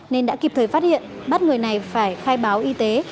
nên đã kịp thời phát hiện bắt người này phải khai báo y tế